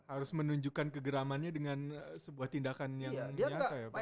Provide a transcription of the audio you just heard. harus menunjukkan kegeramannya dengan sebuah tindakan yang nyata ya pak ya